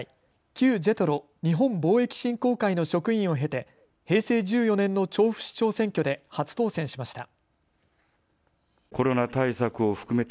旧ＪＥＴＲＯ・日本貿易振興会の職員を経て平成１４年の調布市長選挙で初当選しました。